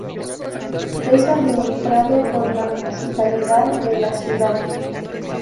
Es administrado por la Municipalidad de la ciudad.